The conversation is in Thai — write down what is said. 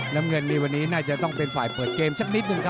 น้ำเงินนี่วันนี้น่าจะต้องเป็นฝ่ายเปิดเกมสักนิดนึงครับ